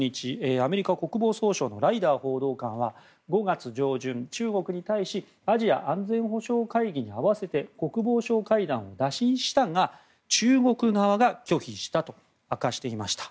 アメリカ国防総省のライダー報道官は５月上旬、中国に対しアジア安全保障会議に合わせて国防相会談を打診したが中国側が拒否したと明かしていました。